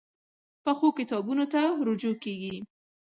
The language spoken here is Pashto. پخو کتابونو ته رجوع کېږي